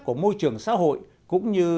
của môi trường xã hội cũng như